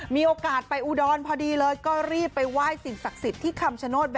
มีโอกาสไปอุดรพอดีเลยก็รีบไปไหว้สิ่งศักดิ์สิทธิ์ที่คำชโนธ